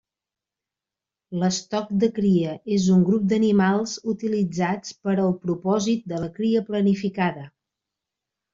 L'estoc de cria és un grup d'animals utilitzats per al propòsit de la cria planificada.